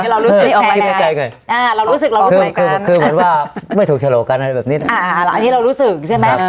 อ่าเรารู้สึกคือเหมือนว่าไม่ถูกฉลวกันอะไรแบบนี้อ่าอันนี้เรารู้สึกใช่ไหม